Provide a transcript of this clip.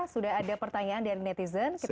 sudah ada pertanyaan dari netizen